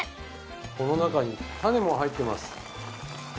この中にタネも入ってます